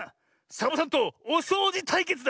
サボさんとおそうじたいけつだ！